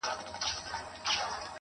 o تاته سلام په دواړو لاسو كوم.